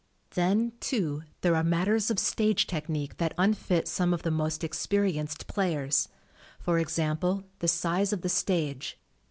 Then, too, there are matters of stage technique that unfit some of the most ex perienced playersŌĆö for example, the size of the stage.